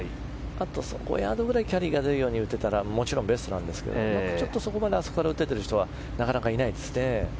あと５ヤードくらい距離が出るように打てたらもちろんベストなんですけどあそこから打てている人はなかなかいないですね。